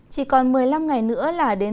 chỉ còn một mươi năm ngày nữa là đến